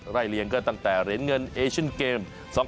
เลี้ยงก็ตั้งแต่เหรียญเงินเอเชียนเกม๒๐